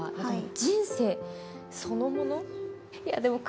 人生そのもの。